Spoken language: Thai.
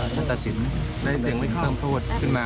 จะตัดสินได้เสียงวิเคริมโทษขึ้นมา